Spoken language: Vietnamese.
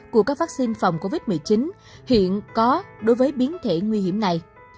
của các vaccine phòng covid một mươi chín hiện có đối với biến thể nguy hiểm này